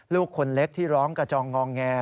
ลูกคนเล็กที่ร้องกระจองงอแง